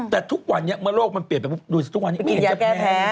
แต่ทุกวันนี้เมื่อโลกมันเปลี่ยนไปปุ๊บดูทุกวันนี้ไม่เห็นจะแพ้